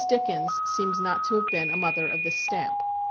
Dickens seems not to have been a mother of this stamp.